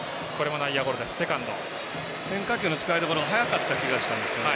変化球の使いどころ早かった気がするんですよね。